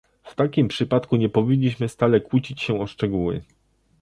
W takim przypadku nie powinniśmy stale kłócić się o szczegóły